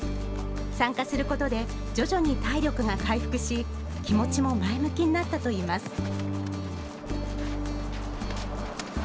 参加することで徐々に体力が回復し、気持ちも前向きになったと言います。